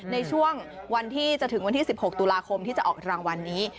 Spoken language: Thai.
ในช่วงวันที่จะถึงวันที่๑๖ตุลาคมที่จะออกรางวัลนี้